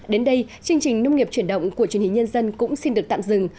đến đây chương trình nông nghiệp chuyển động của truyền hình nhân dân cũng xin được tạm dừng